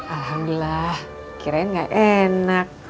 alhamdulillah kirain gak enak